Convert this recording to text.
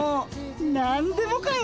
何でもかよ。